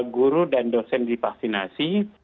guru dan dosen divaksinasi